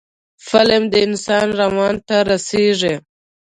فلم د انسان روان ته رسیږي